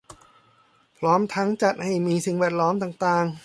พร้อมทั้งจัดให้มีสิ่งแวดล้อมต่างต่าง